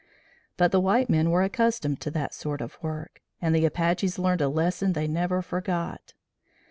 But the white men were accustomed to that sort of work, and the Apaches learned a lesson they never forgot.